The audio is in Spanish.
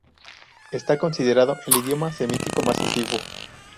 Está considerado el idioma semítico más antiguo.